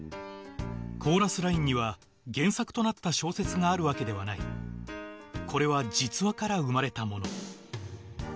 「コーラスライン」には原作となった小説があるわけではないこれは実話から生まれたもの